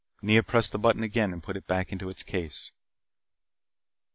Nea pressed the button again and put it back into its case.